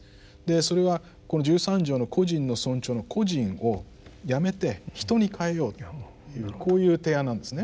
それはこの十三条の個人の尊重の「個人」をやめて「人」に変えようというこういう提案なんですね。